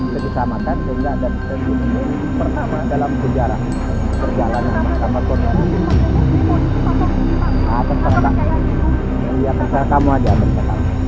promoful sebagai manajer umk bagaimana